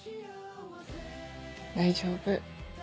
大丈夫。